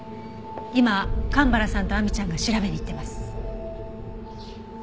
今蒲原さんと亜美ちゃんが調べに行ってます。